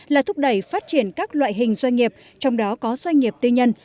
là thúc đẩy phát triển các loại hình doanh nghiệp trong đó có doanh nghiệp tư nhân